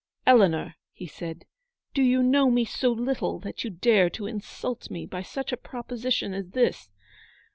"Eleanor," he said, "do you know me so little that you dare to insult me by such a proposition as this